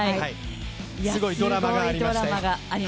すごいドラマがありました。